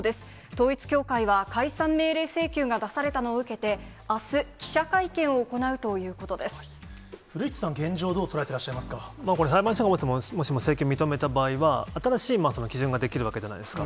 統一教会は、解散命令請求が出されたのを受けて、あす、記者会見を行うという古市さん、現状、これ、裁判所が、もしも請求認めた場合は、新しい基準ができるわけですじゃないですか。